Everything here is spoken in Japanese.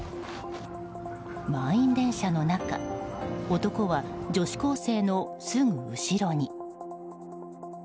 満員電車の中男は、女子高生のすぐ後ろに。